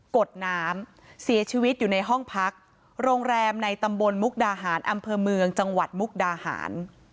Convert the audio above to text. กดน้ำเสียชีวิตอยู่ในห้องพักโรงแรมในตำบลมุกดาหารอำเภอเมืองจังหวัดมุกดาหาร